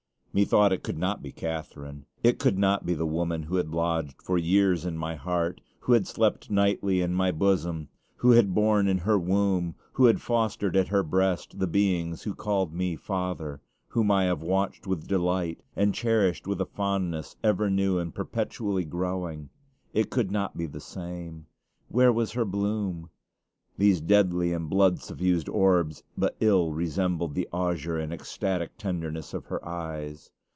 Methought it could not be Catharine. It could not be the woman who had lodged for years in my heart; who had slept nightly in my bosom; who had borne in her womb, who had fostered at her breast, the beings who called me father; whom I have watched with delight, and cherished with a fondness ever new and perpetually growing; it could not be the same. Where was her bloom? These deadly and blood suffused orbs but ill resemble the azure and ecstatic tenderness of her eyes.